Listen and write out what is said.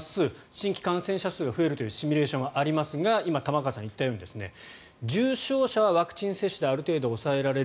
新規感染者数が増えるというシミュレーションはありますが今、玉川さんが言ったように重症者はワクチン接種である程度抑えられる。